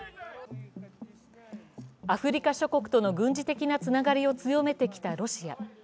アフリカ諸国との軍事的なつながりを強めてきたロシア。